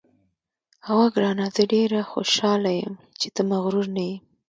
اوه ګرانه، زه ډېره خوشاله یم چې ته مغرور نه یې.